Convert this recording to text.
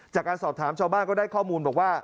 จากการสอบถามชาวบ้านก็ได้ข้อมูลบอกว่า